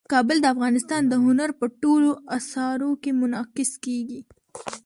کابل د افغانستان د هنر په ټولو اثارو کې منعکس کېږي.